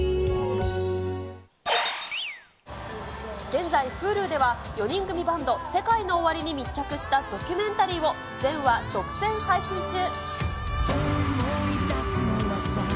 現在、Ｈｕｌｕでは４人組バンド、ＳＥＫＡＩＮＯＯＷＡＲＩに密着したドキュメンタリーを、全話独占配信中。